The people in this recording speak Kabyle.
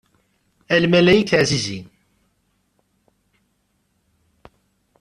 A lmalayek tiɛzizin.